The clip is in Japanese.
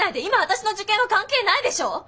今私の受験は関係ないでしょ？